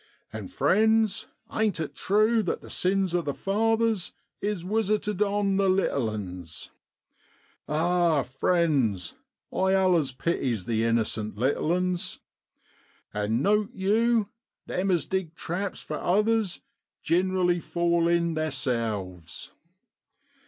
And friends, ain't it true that the sins of the fathers is wisited on the little uns ? Ah ! friends, I allers pities the innercent little uns. And note yew, them as dig traps for others gin'rally fall in theerselves.